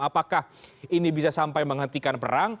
apakah ini bisa sampai menghentikan perang